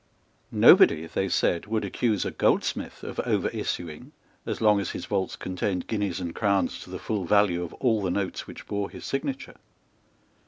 Nobody, they said, would accuse a goldsmith of overissuing as long as his vaults contained guineas and crowns to the full value of all the notes which bore his signature.